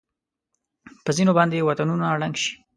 په ځېنو باندې وطنونه ړنګ شي.